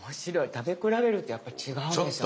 食べ比べるとやっぱり違うんですね。